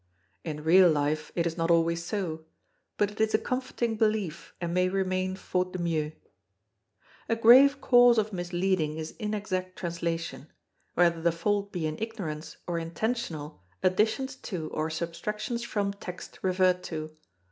In real life it is not always so; but it is a comforting belief and may remain faut de mieux. A grave cause of misleading is inexact translation whether the fault be in ignorance or intentional additions to or substractions from text referred to.